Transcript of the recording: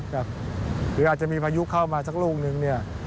หรืออาจจะมีพายุเข้ามาสักรุ่งหนึ่ง